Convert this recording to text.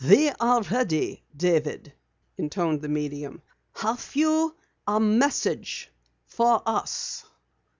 "We are ready, David," intoned the medium. "Have you a message for us?"